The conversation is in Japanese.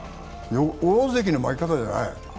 大関の負け方じゃない。